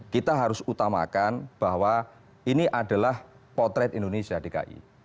kita harus utamakan bahwa ini adalah potret indonesia dki